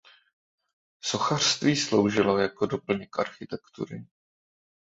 Sochařství sloužilo jako doplněk architektury.